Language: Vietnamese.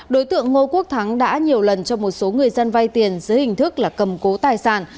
đối tượng ngô quốc thắng đã nhiều lần cho một số người dân vay tiền dưới hình thức là cầm cố tài sản